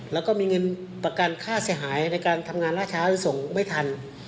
แล้วก็มีเงินประกันค่าเสียหายในการทำงานล่าช้าส่งไม่ทัน